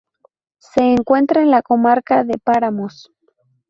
Se encuentra en la comarca de Páramos.